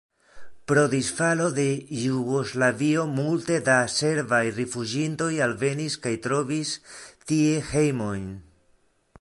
Pro disfalo de Jugoslavio multe da serbaj rifuĝintoj alvenis kaj trovis tie hejmojn.